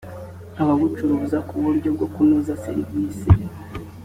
ababucuruza ku buryo bwo kunoza serivisi